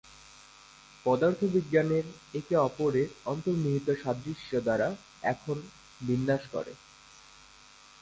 পদার্থবিজ্ঞানের একে অপরের অন্তর্নিহিত সাদৃশ্য দ্বারা "এখন" বিন্যাস করে।